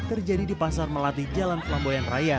terjadi di pasar melati jalan pelamboyan raya